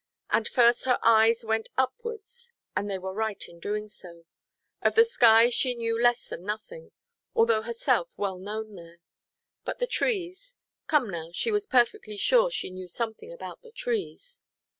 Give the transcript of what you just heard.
And first her eyes went upwards, and they were right in doing so. Of the sky she knew less than nothing—although herself well known there; but the trees—come now, she was perfectly sure she knew something about the trees.